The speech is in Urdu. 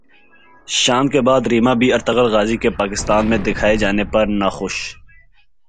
شان کے بعد ریما بھی ارطغرل غازی کے پاکستان میں دکھائے جانے پر ناخوش